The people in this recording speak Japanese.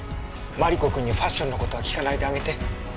マリコ君にファッションの事は聞かないであげて。